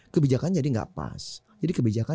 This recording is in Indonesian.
kebijakan jadi nggak pas jadi kebijakan